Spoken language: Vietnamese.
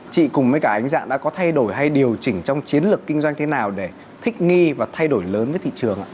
chị cùng với cả ánh dạng đã có thay đổi hay điều chỉnh trong chiến lược kinh doanh thế nào để thích nghi và thay đổi lớn với thị trường ạ